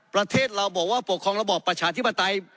ประเทศเราบอกว่าปกครองระบอบประชาธิปไตย